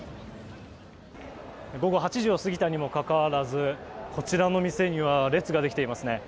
午後８時を過ぎたにもかかわらずこちらの店には列ができていますね。